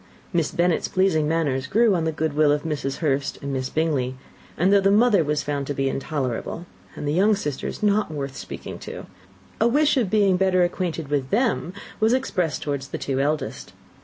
Miss Bennet's pleasing manners grew on the good will of Mrs. Hurst and Miss Bingley; and though the mother was found to be intolerable, and the younger sisters not worth speaking to, a wish of being better acquainted with them was expressed towards the two eldest.